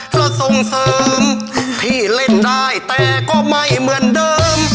เพราะส่งเสริมพี่เล่นได้แต่ก็ไม่เหมือนเดิม